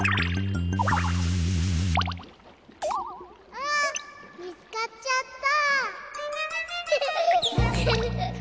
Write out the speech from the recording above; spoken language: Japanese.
あみつかっちゃった。